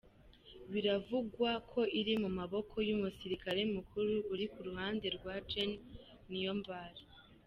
Biravugwa ko iri mu maboko y’umusirikare mukuru uri ku ruhande rwa Gen Niyombare